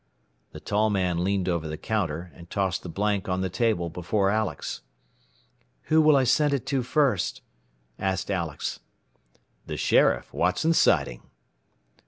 The tall man leaned over the counter and tossed the blank on the table before Alex. "Who will I send it to first?" asked Alex. "The sheriff, Watson Siding."